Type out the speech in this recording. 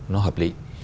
nó hợp lý